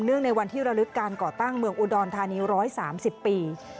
ในวันที่ระลึกการก่อตั้งเมืองอุดรธานี๑๓๐ปี